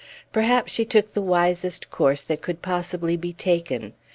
Perhaps she took the wisest course that could possibly be taken.